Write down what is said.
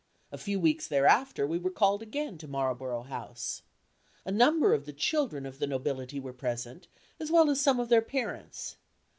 A few weeks thereafter we were called again to Marlborough House. A number of the children of the nobility were present, as well as some of their parents.